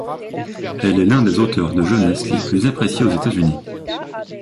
Elle est l'un des auteurs de jeunesse les plus appréciés aux États-Unis.